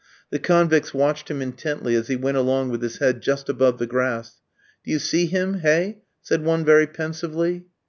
The convicts watched him intently as he went along with his head just above the grass. "Do you see him, hey?" said one very pensively.